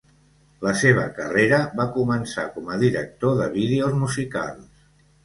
La seva carrera va començar com a director de vídeos musicals.